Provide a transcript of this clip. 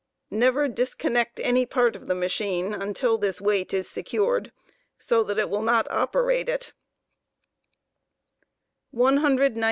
Never disconnect any part of the machine until this weight is secured, so that it will not operate it* 195.